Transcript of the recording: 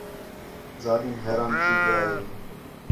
ظالم حیران تھی ڳِیا ہِے